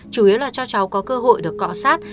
chủ yếu là cho cháu có cơ hội được cọ sát